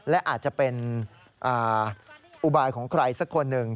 และอาจจะเป็นอุบายของใครสักคนหนึ่ง